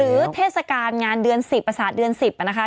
หรือเทศการงานประสาทเดือน๑๐นะคะ